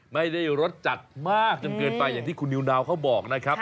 ไม่ได้รสจัดมากจนเกินไปอย่างที่คุณนิวนาวเขาบอกนะครับ